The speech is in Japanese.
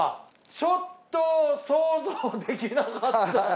ちょっと想像できなかった。